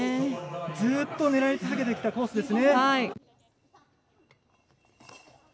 ずっと狙い続けてきたコースです。